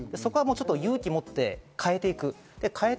勇気を持って変えていく。